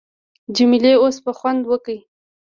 جمیلې اوس به خوند وکي.